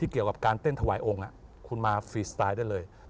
ของการเถ้นทวายองค์คุณมาฟรีสไตล์ได้เลย